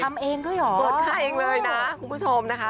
ทำเองด้วยเหรอเปิดค่าเองเลยนะคุณผู้ชมนะคะ